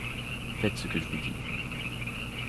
Faites ce que je vous dis.